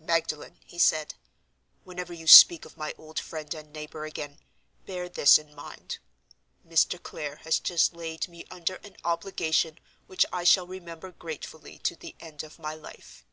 "Magdalen!" he said; "whenever you speak of my old friend and neighbor again, bear this in mind: Mr. Clare has just laid me under an obligation which I shall remember gratefully to the end of my life."